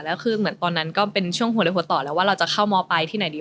แล้วคือเหมือนตอนนั้นก็เป็นช่วงหัวเลยหัวต่อแล้วว่าเราจะเข้ามอไปที่ไหนดี